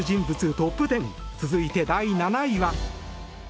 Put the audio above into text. トップ１０続いて、第７位は。